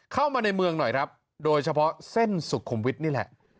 เข้ามาในเมืองหน่อยครับโดยเฉพาะเส้นสุขุมวิทย์นี่แหละ